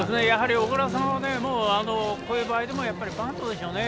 小倉さんはこういう場合でもバントでしょうね。